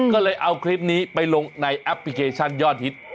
ก็เลยเอาคลิปนี้ไปลงในแอปพลิเคชันยอดฮิต